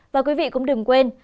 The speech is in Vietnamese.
và quý vị cũng đừng quên